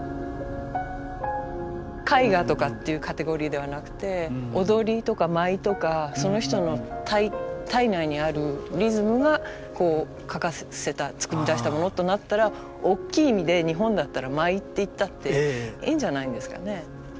絵画とかっていうカテゴリーではなくて踊りとか舞とかその人の体内にあるリズムがこう描かせた作り出したものとなったらおっきい意味で日本だったら「舞」って言ったっていいんじゃないんですかね。